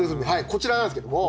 こちらなんですけども。